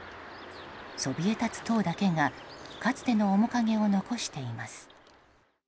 そびえ立つ塔だけがかつての面影を残しています。